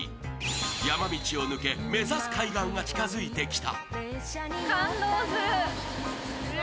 山道を抜け目指す海岸が近づいてきた。